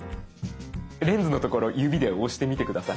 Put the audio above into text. レンズの所指で押してみて下さい。